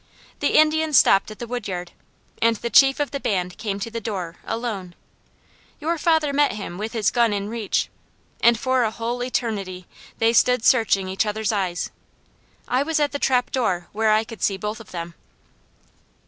The Indians stopped at the woodyard, and the chief of the band came to the door, alone. Your father met him with his gun in reach, and for a whole eternity they stood searching each other's eyes. I was at the trapdoor where I could see both of them.